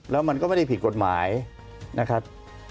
แล้วมันก็ไม่ได้ผิดกฎหมายนะครับ